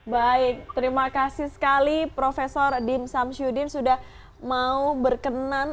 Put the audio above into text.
baik terima kasih sekali prof dim samsyudin sudah mau berkenan